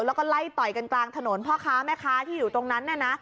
แล้วก็ไล่ต่อยกันกลางถนนพ่อค้าแม่ค้าที่อยู่ตรงนั้นน่ะนะ